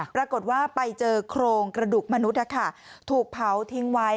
ปรากฏว่าไปเจอโครงกระดูกมนุษย์ถูกเผาทิ้งไว้